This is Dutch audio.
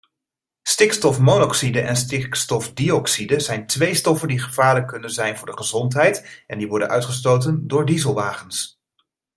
Stikstofmonoxide en stikstofdioxide zijn twee stoffen die gevaarlijk kunnen zijn voor de gezondheid en die worden uitgestoten door dieselwagens.